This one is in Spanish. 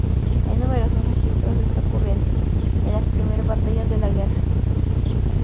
Hay numerosos registros de esta ocurrencia en las primer batallas de la guerra.